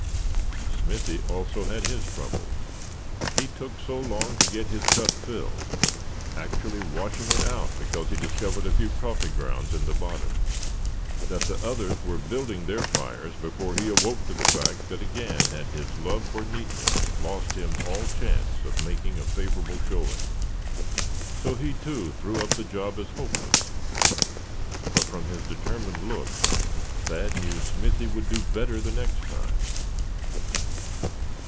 Smithy also had his troubles. He took so long to get his cup filled, actually washing it out because he discovered a few coffee grounds in the bottom, that the others were building their fires before he awoke to the fact that again had his love for neatness lost him all chance of making a favorable showing. So he too threw up the job as hopeless; but from his determined looks Thad knew Smithy would do better the next time.